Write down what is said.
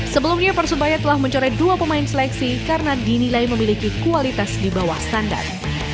sebelumnya persebaya telah mencoret dua pemain seleksi karena dinilai memiliki kualitas di bawah standar